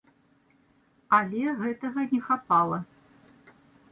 Але гэтага не хапала.